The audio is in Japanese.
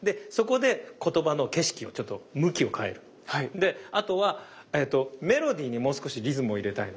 であとはえっとメロディーにもう少しリズムを入れたいの。